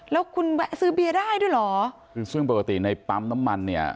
แล้วคุณแวะซื้อเบียร์ได้ด้วยเหรอคือซึ่งปกติในปั๊มน้ำมันเนี่ย